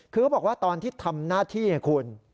คือเขาบอกว่าตอนที่ทำหน้าที่ไงคุณ